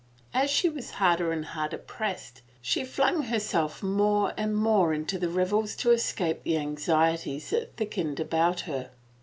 As she was harder and harder pressed, she flung her self more and more into the revels to escape the anxieties that thickened about her.